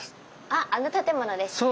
あっあの建物ですね。